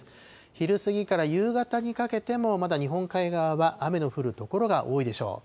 昼過ぎから夕方にかけても、まだ日本海側は雨の降る所が多いでしょう。